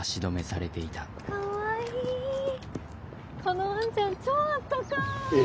このワンちゃん超あったかい。